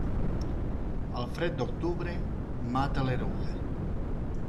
El fred d'octubre mata l'eruga.